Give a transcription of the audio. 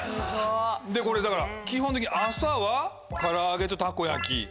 これだから基本的に朝はからあげとたこ焼き。